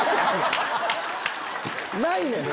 ないねん！